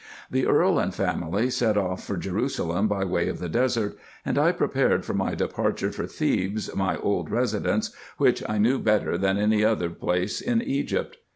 The Earl and family set off for Jerusalem by way of the Desert ; and I prepared for my departure for Thebes, my old residence, which I knew better than any other place in Egypt.